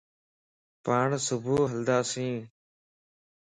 پاڻ صبح ھلنداسين